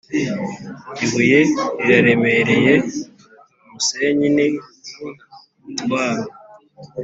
ibuye riraremereye, umusenyi ni umutwaro